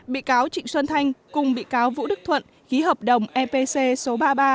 bị cáo trịnh xuân thanh cùng bị cáo vũ đức thuận ký hợp đồng epc số ba mươi ba